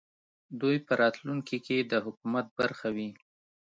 دوی په راتلونکې کې د حکومت برخه وي